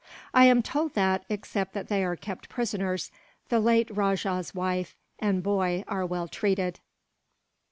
I am told that, except that they are kept prisoners, the late rajah's wife and boy are well treated."